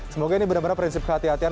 semoga ini benar benar prinsip kehatian